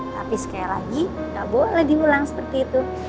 tapi sekali lagi gak boleh diulang seperti itu